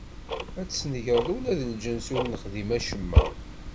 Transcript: Ad tesnegreḍ ula d lǧens ur nexdim acemma?